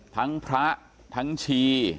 ทั้งพระทั้งชี